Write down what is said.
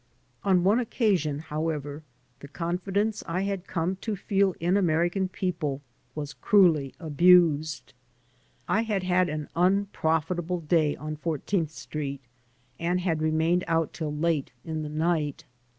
On one occasion, however, the confidence I had come to fed in Amoican people was cruelly abused. I had had an u]q>rofitahle day on Fourteenth Street and had ronained out till late in the nj^t.